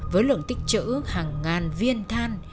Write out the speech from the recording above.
với lượng tích trữ hàng ngàn viên than